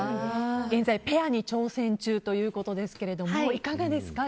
現在ペアに挑戦中ということですがいかがですか？